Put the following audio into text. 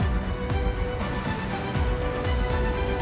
aku mau pergi